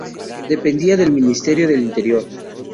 Dependía del Ministerio del Interior.